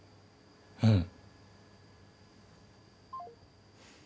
うん。